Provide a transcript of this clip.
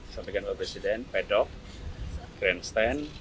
sampaikan bapak presiden pedok grandstand